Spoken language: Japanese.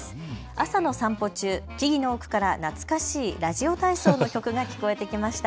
朝の散歩中、木々の奥から懐かしいラジオ体操の曲が聞こえてきました。